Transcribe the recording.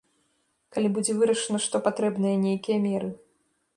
Калі будзе вырашана, што патрэбныя нейкія меры.